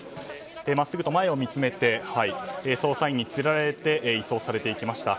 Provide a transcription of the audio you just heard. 真っすぐと前を見つめて捜査員に連れられて移送されていきました。